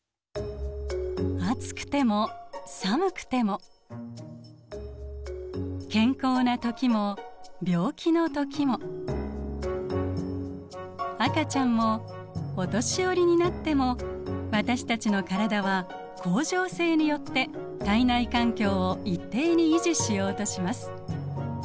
暑くても寒くても健康な時も病気の時も赤ちゃんもお年寄りになっても私たちの体は恒常性によって体内環境を一定に維持しようとします。